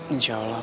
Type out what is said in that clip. insya allah ba